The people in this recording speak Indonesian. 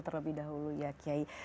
terlebih dahulu ya kyai